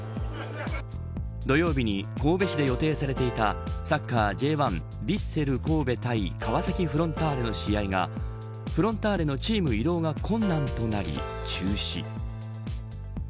土曜日に神戸市で予定されていたサッカーＪ１、ヴィッセル神戸対川崎フロンターレの試合がフロンターレのチーム移動が困難となり中止。